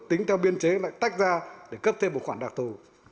tính theo biên chế lại tách ra để cấp thêm một khoản đặc thù